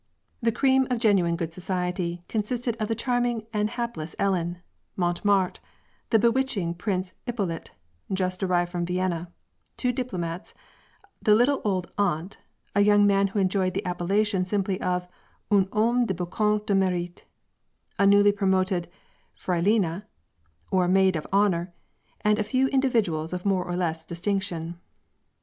'^ Th^ cream of genuine good society " consisted of the charming and hap less Ellen, Montemart, the bewitching Prince Ippolit, just ar rived from Vienna, two diplomats, the little old aunt, a young man who • enjoyed the appellation simply of " un homme de beaueoup de mSrite" a newly promoted fr&ilina, or maid of honor, and a few individuals of more or less distinction.